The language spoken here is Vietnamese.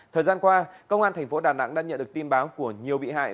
thời gian qua công an tp đà nẵng đã nhận được tin báo của nhiều bị hại